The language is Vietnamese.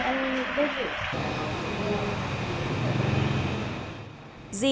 cái này bọn em thì